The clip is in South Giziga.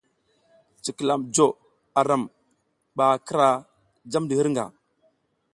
Cikilam jo aram ɓa kira jamdi hirnga.